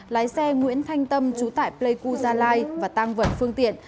lái xe nguyễn thanh tâm chú tải pleiku gia lai và tăng vật phương tiện